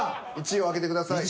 １位を開けてください。